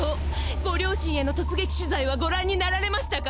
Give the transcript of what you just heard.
ご両親への突撃取材はご覧になられましたか！？